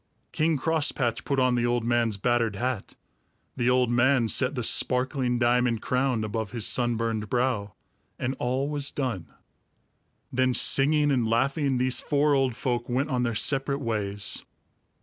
King Crosspatch put on the old man's battered hat; the old man set the sparkling diamond crown above his sunburned brow, and all was done. Then singing and laughing, these four old folk went on their separate ways.